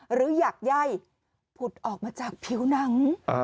หรืออยากไย่ผุดออกมาจากผิวหนัง